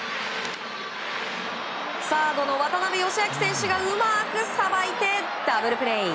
サードの渡邊佳明選手がうまくさばいてダブルプレー。